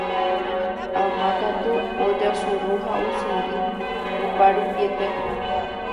Ama katu ojasuru ha osyry oparupiete